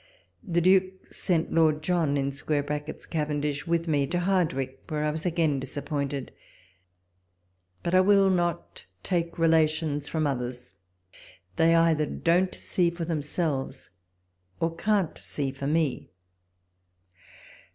The Duke sent Lord John [Cavendish] with me to Hardwicke, where I was again disappointed ; but I will not take relations from others ; they either don't see for themselves, or can't see for me.